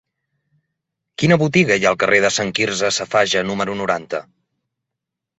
Quina botiga hi ha al carrer de Sant Quirze Safaja número noranta?